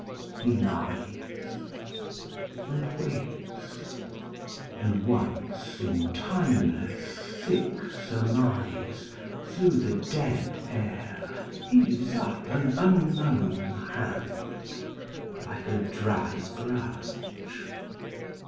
He lies; And waits; and once in timeless sick surmise Through the dead air heaves up an unknown hand, Like a dry branch.